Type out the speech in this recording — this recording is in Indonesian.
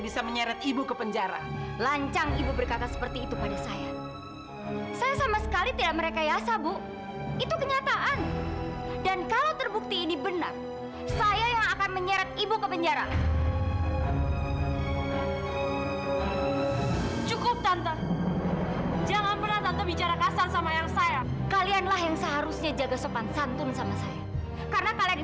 saya ini sudah jujur